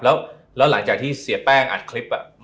แล้วหลังจากที่เสียแป้งอัดคลิป